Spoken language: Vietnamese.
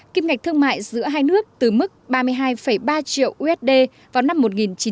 kim ngạch thương mại giữa hai nước từ mức ba mươi hai ba triệu usd vào năm một nghìn chín trăm bảy mươi năm